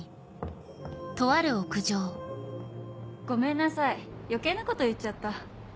ごめんなさい余計なこと言っちゃった。